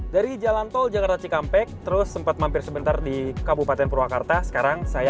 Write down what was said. dari jalan tol jakarta cikampek terus sempat mampir sebentar di kabupaten purwakarta sekarang saya